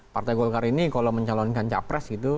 partai golkar ini kalau mencalonkan capres gitu